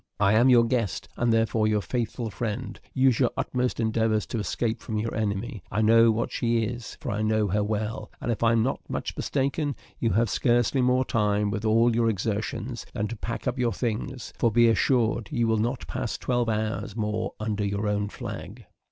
I am your guest, and therefore your faithful friend; use your utmost endeavours to escape from your enemy. I know what she is, for I know her well; and, if I am not much mistaken, you have scarcely more time, with all your exertions, than to pack up your things; for be assured, you will not pass twelve hours more under your own flag."